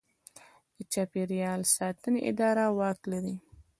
د چاپیریال ساتنې اداره واک لري؟